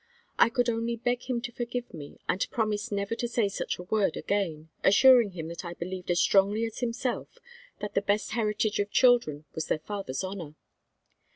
I could only beg him to forgive me, and promise never to say such a word again, assuring him that I believed as strongly as himself that the best heritage of children was their father's honor.